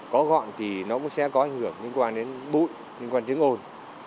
có gọn thì nó cũng sẽ có ảnh hưởng liên quan đến bụi liên quan đến tiếng ồn